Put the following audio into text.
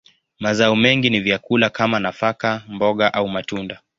Mazao mengi ni vyakula kama nafaka, mboga, au matunda.